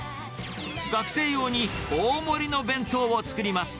学生用に大盛りの弁当を作ります。